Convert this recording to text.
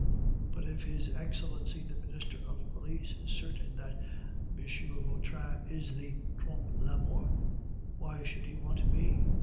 "But if his Excellency the Minister of Police is certain that M. Vautrin is this Trompe la Mort, why should he want me?"